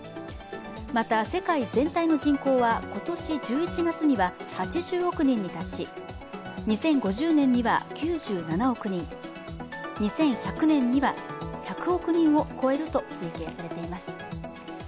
また世界全体の人口は今年１１月には８０億人に達し２０５０年には９７億人、２１００年には１００億人を超えると推計されています。